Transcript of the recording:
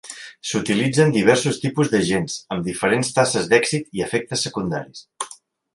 S'utilitzen diversos tipus d'agents, amb diferents tasses d'èxit i efectes secundaris.